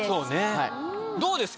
どうですか？